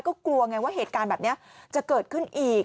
ก็กลัวไงว่าเหตุการณ์แบบนี้จะเกิดขึ้นอีก